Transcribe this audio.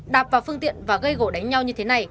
đạp vào phương tiện và gây gỗ đánh nhau như thế này